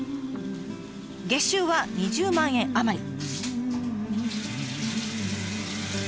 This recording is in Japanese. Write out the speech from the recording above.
月収は２０万円余り。